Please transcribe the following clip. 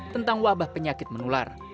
tentang wabah penyakit menular